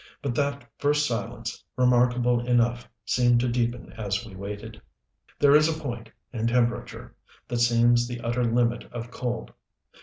But that first silence, remarkable enough, seemed to deepen as we waited. There is a point, in temperature, that seems the utter limit of cold.